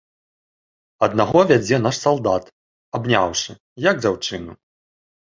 Аднаго вядзе наш салдат, абняўшы, як дзяўчыну.